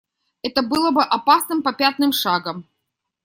Это было бы опасным попятным шагом.